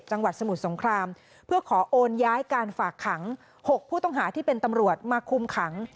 จังหวัดสมุทรสงครามเพื่อขอโอนย้ายการฝากขัง๖ผู้ต้องหาที่เป็นตำรวจมาคุมขัง